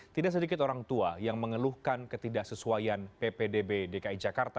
tidak sedikit orang tua yang mengeluhkan ketidaksesuaian ppdb dki jakarta dua ribu dua puluh dua ribu dua puluh satu